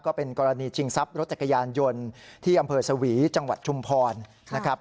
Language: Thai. ก็เป็นกรณีชิงทรัพย์รถจักรยานยนต์ที่อำเภอสวีจังหวัดชุมพรนะครับ